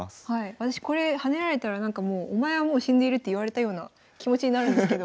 私これ跳ねられたらなんかもう「お前はもう死んでいる」って言われたような気持ちになるんですけど。